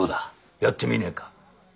やってみねえか？